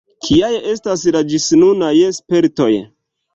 Kiaj estas la ĝisnunaj spertoj?